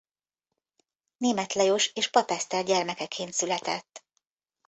Németh Lajos és Papp Eszter gyermekeként született.